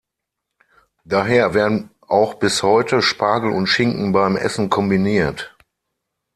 Daher werden auch bis heute Spargel und Schinken beim Essen kombiniert.